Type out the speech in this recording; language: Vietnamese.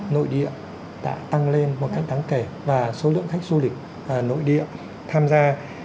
nội địa đã tăng lên một cách đáng kể và số lượng khách du lịch nội địa tham gia